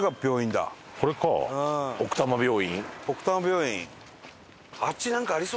奥多摩病院。